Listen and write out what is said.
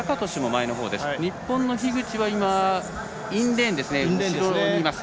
日本の樋口はインレーンですね。